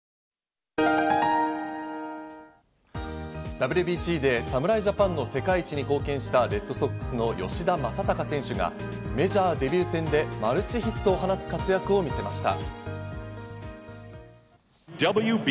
ＷＢＣで侍ジャパンの世界一に貢献したレッドソックスの吉田正尚選手がメジャーデビュー戦でマルチヒットを放つ活躍を見せました。